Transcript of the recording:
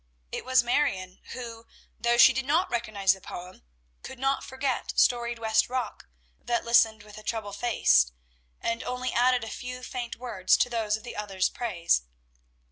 It was Marion who, though she did not recognize the poem, could not forget "Storied West Rock," that listened with a troubled face, and only added a few faint words to those of the others' praise.